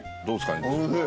どうですかね？